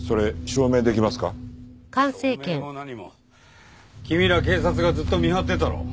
証明も何も君ら警察がずっと見張ってたろう。